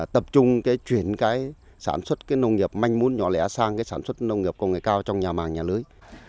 tập trung cái chuyển cái sản xuất cái nông nghiệp manh mún nhỏ lẻ sang cái sản xuất nông nghiệp công nghệ cao trong nhà màng nhà lưới